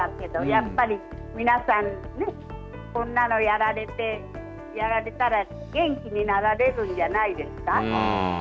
やっぱり皆さんねこんなのやられて、やられたら元気になられるんじゃないですか。